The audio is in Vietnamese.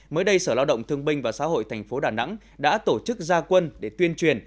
mới đây sở lao động thương binh và xã hội thành phố đà nẵng đã tổ chức gia quân để tuyên truyền